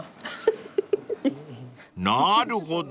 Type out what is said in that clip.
［なるほど。